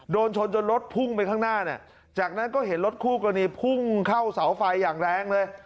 โดนชนจนรถพุ่งไปข้างหน้าเนี่ยจากนั้นก็เห็นรถคู่กรณีพุ่งเข้าเสาไฟอย่างแรงเลย